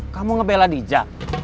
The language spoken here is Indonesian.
kamu ngebela dija